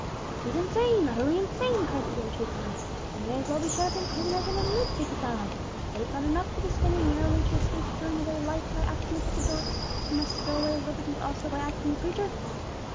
"He's insane, utterly insane!" cried the irritated man, "and may as well be shut up in prison as in a lunatic asylum. Was it not enough for this Spaniard narrowly to escape throwing away life by acting the picador, that he must throw away liberty also by acting the preacher?"